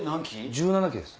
１７期です。